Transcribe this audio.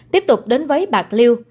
tiếp tục đến với bạc liêu